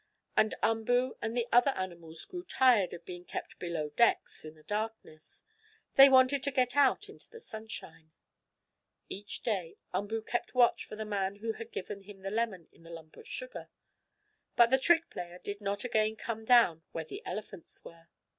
And Umboo and the other animals grew tired of being kept below decks, in the darkness. They wanted to get out into the sunshine. Each day Umboo kept watch for the man who had given him the lemon in the lump of sugar, but the trick player did not again come down where the elephants were.